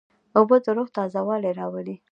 اوبه د روح تازهوالی راولي.